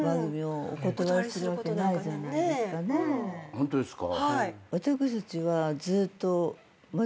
ホントですか？